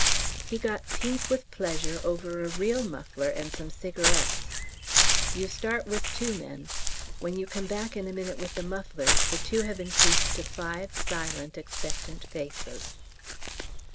He got pink with pleasure over a real muffler and some cigarettes. You start with two men; when you come back in a minute with the mufflers the two have increased to five silent expectant faces.